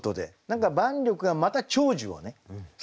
何か万緑がまた長寿をね